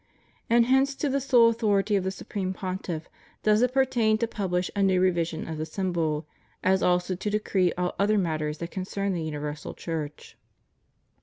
And hence to the sole authority of the supreme Pontiff does it pertain to publish a new revision of the Symbol, as also to decree all other matters that concern the universal Church."